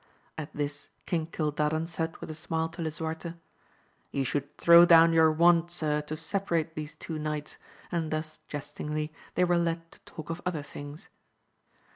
At this King Cildadan said with a smile to Lisuarte, You should throw down your wand, sir, to separate these two knights, and thus jestingly they were led to talk of other things.